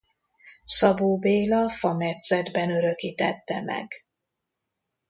Szabó Béla fametszetben örökítette meg.